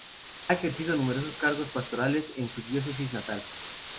Ha ejercido numerosos cargos pastorales en su diócesis natal.